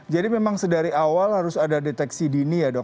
jadi memang dari awal harus ada deteksi dini ya dok